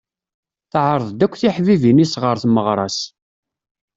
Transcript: Teɛreḍ-d akk tiḥbibin-is ɣer tmeɣra-s.